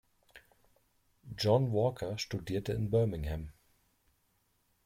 John Walker studierte in Birmingham.